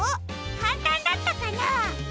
かんたんだったかな？